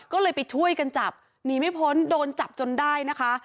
ก็เลยไปช่วยกันจับหนีไม่พ้นโดนจับจนได้นะคะ